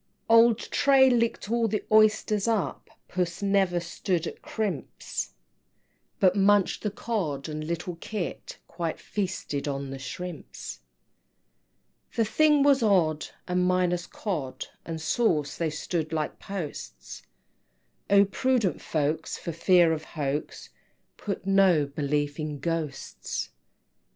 XVI. Old Tray licked all the oysters up, Puss never stood at crimps, But munched the Cod and little Kit Quite feasted on the shrimps! XVII. The thing was odd, and minus Cod And sauce, they stood like posts; Oh, prudent folks, for fear of hoax, Put no belief in Ghosts!